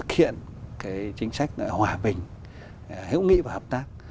thực hiện cái chính sách hòa bình hữu nghị và hợp tác